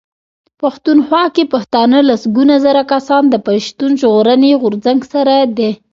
پښتونخوا کې پښتانه لسګونه زره کسان د پښتون ژغورني غورځنګ سره دي.